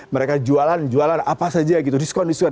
mereka jualan jualan apa saja gitu diskon diskon